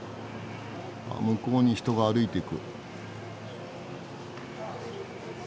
あっ向こうに人が歩いていく。